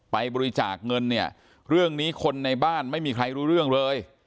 ไปบริจาคเงินเนี่ยเรื่องนี้คนในบ้านไม่มีใครรู้เรื่องเลย